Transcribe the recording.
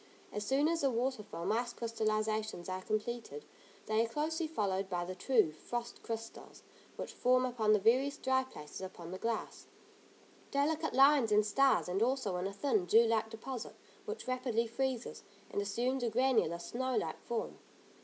As soon as the water film ice crystallisations are completed they are closely followed by the true frost crystals, which form upon the various dry places upon the glass, delicate lines and stars and also in a thin, dew like deposit, which rapidly freezes, and assumes a granular, snow like form.